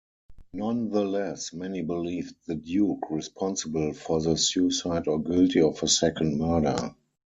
Nonetheless, many believed the Duke responsible for the suicide-or guilty of a second murder.